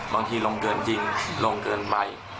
บางทีลงเกินจริงลงเกินไป